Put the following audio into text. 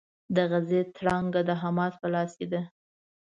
د غزې تړانګه د حماس په لاس کې ده.